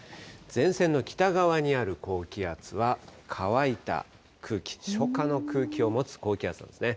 前線の北側にある高気圧は、乾いた空気、初夏の空気を持つ高気圧なんですね。